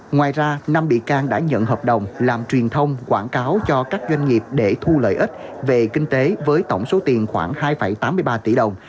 ngoài ra năm bị can đã nhận hợp đồng làm truyền thông quảng cáo cho các doanh nghiệp để thu lợi ích về kinh tế với tổng số tiền khoảng hai tám mươi ba tỷ đồng